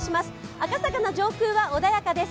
赤坂の上空は穏やかです。